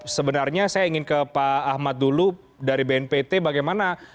sebenarnya saya ingin ke pak ahmad dulu dari bnpt bagaimana